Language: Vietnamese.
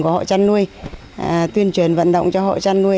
của hộ chăn nuôi tuyên truyền vận động cho hộ chăn nuôi